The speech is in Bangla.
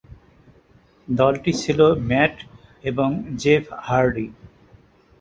দলটি ছিল ম্যাট এবং জেফ হার্ডি।